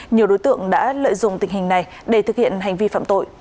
nhiều đối tượng đã lợi dụng tình hình này để thực hiện hành vi phạm tội